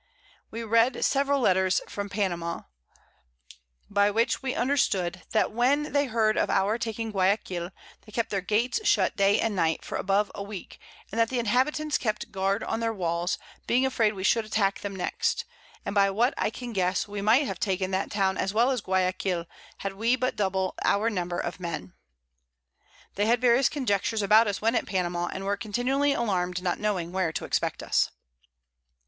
We read several Letters from Panama, by which we understood, that when they heard of our taking Guiaquil, they kept their Gates shut Day and Night for above a Week, and that the Inhabitants kept Guard on their Walls, being afraid we should attack them next, and by what I can guess, we might have taken that Town as well as Guiaquil, had we but double our Number of Men. They had various Conjectures about us when at Panama, and were continually allarm'd, not knowing where to expect us.